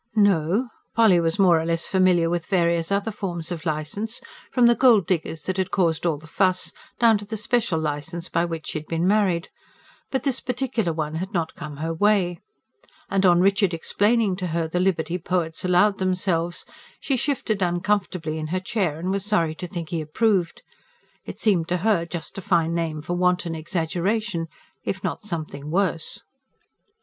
No: Polly was more or less familiar with various other forms of licence, from the gold diggers' that had caused all the fuss, down to the special licence by which she had been married; but this particular one had not come her way. And on Richard explaining to her the liberty poets allowed themselves, she shifted uncomfortably in her chair, and was sorry to think he approved. It seemed to her just a fine name for wanton exaggeration if not something worse.